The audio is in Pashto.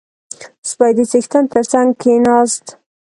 • سپی د څښتن تر څنګ کښېناست.